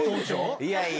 いやいや。